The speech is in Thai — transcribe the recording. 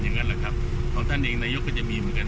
อย่างนั้นแหละครับของท่านเองนายกก็จะมีเหมือนกัน